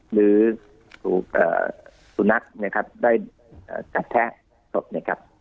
หรือถูกสุนัขเนี่ยครับได้กัดแท้ทบเนี่ยครับ